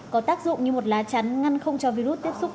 có tác dụng như một lá chắn ngăn không cho virus tiếp xúc